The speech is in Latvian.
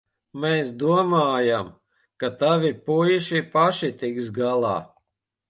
Mēs domājām, ka tavi puiši paši tiks galā.